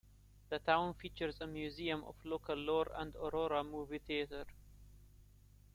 The town features a museum of local lore and "Aurora" movie theater.